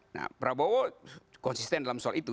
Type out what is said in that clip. nah prabowo konsisten dalam soal itu